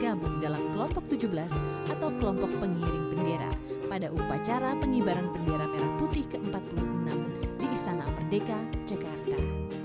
gabung dalam kelompok tujuh belas atau kelompok pengiring bendera pada upacara pengibaran bendera merah putih ke empat puluh enam di istana merdeka jakarta